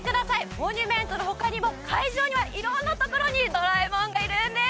モニュメントのほかにも会場には色んなところにドラえもんがいるんです。